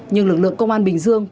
nhưng lực lượng công an bình dương